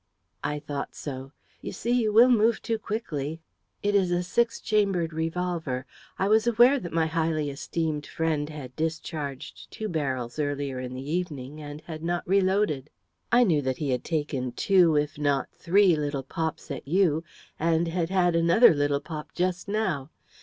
"I thought so. You see, you will move too quickly. It is a six chambered revolver. I was aware that my highly esteemed friend had discharged two barrels earlier in the evening, and had not reloaded. I knew that he had taken two, if not three, little pops at you, and had had another little pop just now.